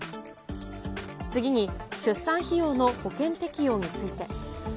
次に出産費用の保険適用について。